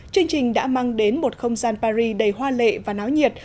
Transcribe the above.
chương trình đã mang đến một không gian paris đầy hoa lệ và náo nhiệt